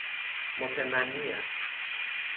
متمنی است...